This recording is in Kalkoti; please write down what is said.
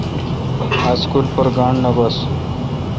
آج اسکول پر گانٹھ نہ گوس۔